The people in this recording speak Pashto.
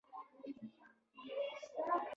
دوامدارې مرستې جذبې کړي.